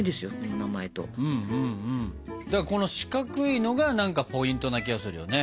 この四角いのが何かポイントな気がするよね。